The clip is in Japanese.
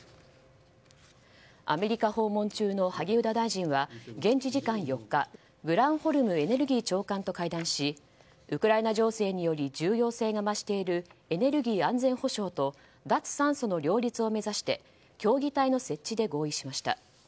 アメリカ訪問中の萩生田大臣は現地時間４日グランホルムエネルギー長官と会談しウクライナ情勢により重要性が増しているエネルギー安全保障と脱炭素の両立を目指して協議体の設置で合意しました。